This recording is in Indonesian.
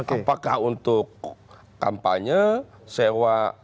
apakah untuk kampanye sewa